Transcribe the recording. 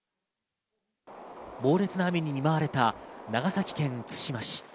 猛烈な雨に見舞われた長崎県対馬市。